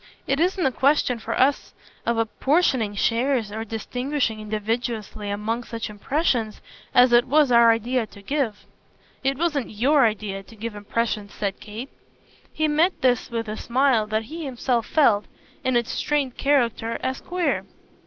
It isn't a question for us of apportioning shares or distinguishing invidiously among such impressions as it was our idea to give." "It wasn't YOUR idea to give impressions," said Kate. He met this with a smile that he himself felt, in its strained character, as queer.